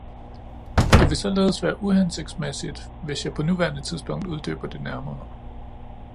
Det vil således være uhensigtsmæssigt, hvis jeg på nuværende tidspunkt uddyber det nærmere.